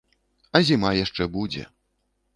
А зіма яшчэ будзе.